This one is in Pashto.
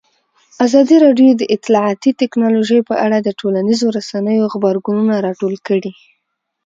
ازادي راډیو د اطلاعاتی تکنالوژي په اړه د ټولنیزو رسنیو غبرګونونه راټول کړي.